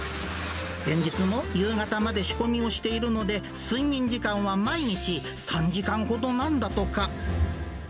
前日も夕方まで仕込みをしているので、睡眠時間は毎日３時間ほどなんだとか。